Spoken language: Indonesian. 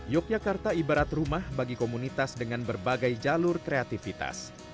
yogyakarta ibarat rumah bagi komunitas dengan berbagai jalur kreativitas